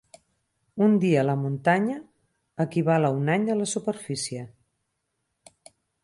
Un dia a la muntanya equival a un any a la superfície.